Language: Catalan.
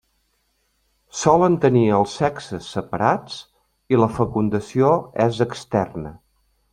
Solen tenir els sexes separats i la fecundació és externa.